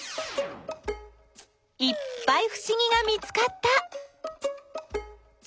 いっぱいふしぎが見つかった！